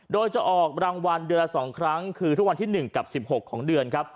โดยจะออกรางวัลเดือนละ๒ครั้งคือทุกวันที่๑กับ๑๖ของเดือนครับ